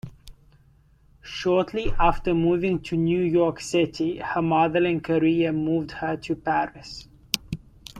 Shortly after moving to New York City, her modeling career moved her to Paris.